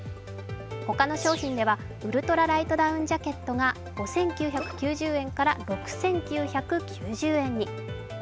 ほかの商品ではウルトラライトダウンジャケットが５９９０円から６９９０円に。